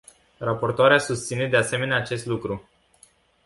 Raportoarea susține, de asemenea, acest lucru.